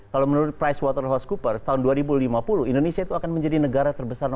kalau menurut pricewaterhousecoopers tahun dua ribu lima puluh indonesia itu akan menjadi negara terbesar kita